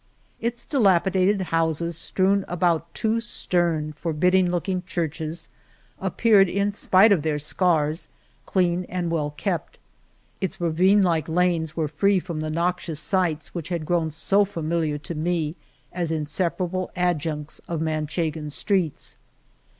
Its dilapidated houses, strewn around two stern, forbidding looking churches, appeared, in spite of their scars, clean and well kept. Its ravine like lanes were free from the nox ious sights which had grown so familiar to me as inseparable adjuncts of Manchegan streets.